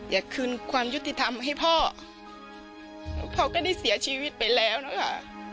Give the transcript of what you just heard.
อยากคืนความยุติธรรมให้พ่อพ่อก็ได้เสียชีวิตไปแล้วนะคะ